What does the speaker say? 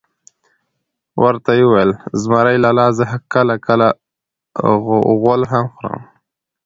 ورته وئې ویل: زمرى لالا زه کله کله غول هم خورم .